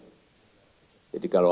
jadi kalau ada yang berpikir